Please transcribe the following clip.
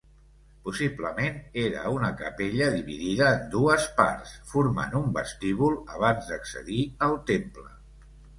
Possiblement era una capella dividida en dues parts, formant un vestíbul abans d'accedir al temple.